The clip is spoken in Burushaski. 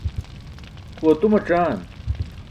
Kʰu atumac̣aan.